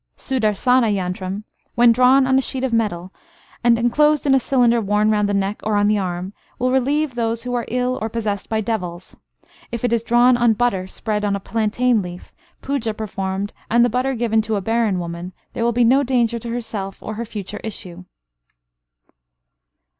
Sudarsana yantram, when drawn on a sheet of metal, and enclosed in a cylinder worn round the neck or on the arm, will relieve those who are ill or possessed by devils. If it is drawn on butter spread on a plantain leaf, puja performed, and the butter given to a barren woman, there will be no danger to herself or her future issue.